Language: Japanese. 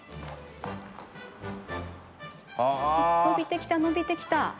のびてきたのびてきた！